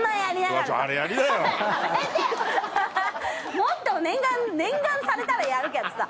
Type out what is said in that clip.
もっと念願されたらやるけどさ。